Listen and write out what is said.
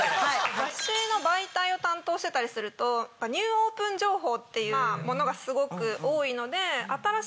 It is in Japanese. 雑誌の媒体を担当してたりするとニューオープン情報っていうものがすごく多いので。